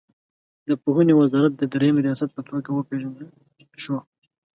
د پوهنې وزارت د دریم ریاست په توګه وپېژندل شوه.